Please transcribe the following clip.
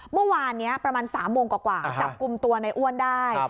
เมื่อวานนี้ประมาณ๓โมงกว่าจับกลุ่มตัวในอ้วนได้